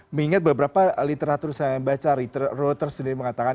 mengingat beberapa literatur saya baca reuters sendiri mengatakan